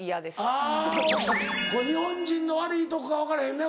あぁ日本人の悪いとこか分からへんね